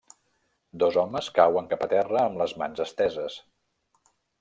Dos homes cauen cap a terra amb les mans esteses.